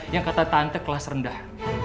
yang kata tante kelas rendah